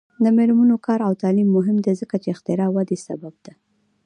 د میرمنو کار او تعلیم مهم دی ځکه چې اختراع ودې سبب دی.